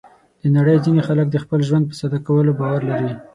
د نړۍ ځینې خلک د خپل ژوند په ساده کولو باور لري.